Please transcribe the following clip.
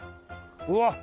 うわっ！